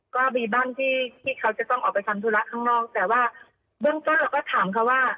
ก็มีบ้านที่ที่เขาจะต้องออกไปทำธุระข้างนอกแต่ว่าเบื้องต้นเราก็ถามเขาว่า